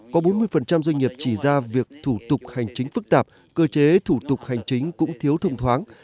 được rõ ràng có bốn mươi doanh nghiệp chỉ ra việc thủ tục hành chính phức tạp cơ chế thủ tục hành chính cũng thiếu thông thoáng